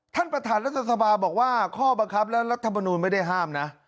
ต้อนรัฐภาคบอกว่าข้อบังคับและรัฐบาลนูนไม่ได้ห้ามนะ